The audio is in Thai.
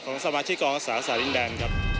ของสมาชิกกองอาสาสาดินแดน